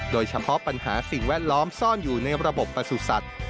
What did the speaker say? โดยเฉพาะปัญหาสิ่งแวดล้อมซ่อนอยู่ในระบบประสุทธิ์สัตว์